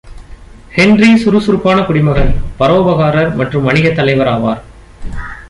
Henry சுறுசுறுப்பான குடிமகன், பரோபகாரர் மற்றும் வணிகத் தலைவர் ஆவார்.